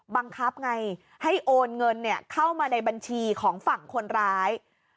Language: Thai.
บังคับไงให้โอนเงินเข้ามาในบัญชีของฝั่งคนร้าย